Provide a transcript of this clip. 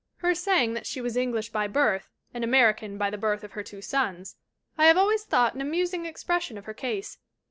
Her saying that she was 'English by birth and American by the birth of her two sons' I have always thought an amusing expression of her case.